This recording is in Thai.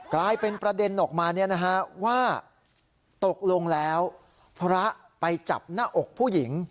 กลายเป็นประเด็นออกมาว่าตกลงแล้วพระไปจับหน้าอกผู้หญิง